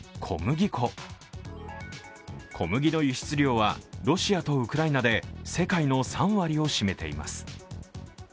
小麦の輸出量はロシアとウクライナで世界の３割を占めています。